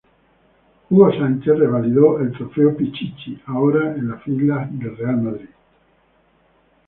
Hugo Sánchez revalidó el Trofeo Pichichi, ahora en las filas del Real Madrid.